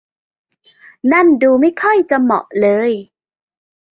นั่นดูไม่ค่อยจะเหมาะเลย